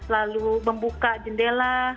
lalu membuka jendela